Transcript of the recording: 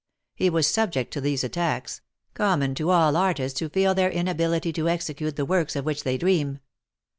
He was subject to these attacks — common to all artists who feel their in ability to execute the w^orks of which they dream.